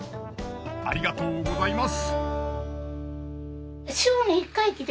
ありがとうございます。